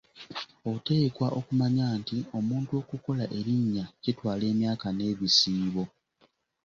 Oteekwa okumanya nti, omuntu okukola erinnya kitwala emyaka n'ebisiibo.